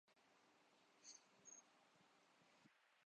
مغربی ایشیا